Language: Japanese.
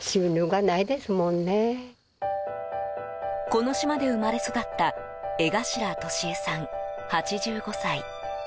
この島で生まれ育った江頭淑江さん、８５歳。